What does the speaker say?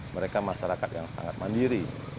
mereka masyarakat yang sangat mandiri